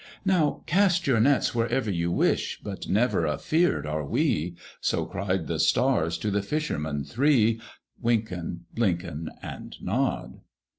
"Now cast your nets wherever you wish, But never afeard are we!" So cried the stars to the fishermen three, Wynken, Blynken, And Nod.